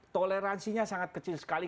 toleransinya sangat kecil sekali